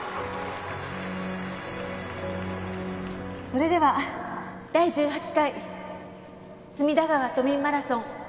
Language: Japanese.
「それでは第１８回隅田川都民マラソン